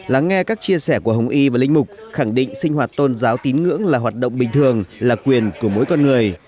lắng nghe các chia sẻ của hồng y và linh mục khẳng định sinh hoạt tôn giáo tín ngưỡng là hoạt động bình thường là quyền của mỗi con người